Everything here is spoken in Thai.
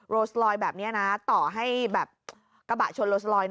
โรสลอยแบบนี้นะต่อให้แบบกระบะชนโลสลอย